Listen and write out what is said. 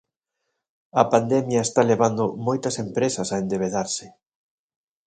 A pandemia está levando moitas empresas a endebedarse.